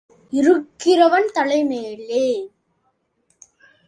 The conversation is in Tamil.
இருக்கிறவன் தலை மேலே.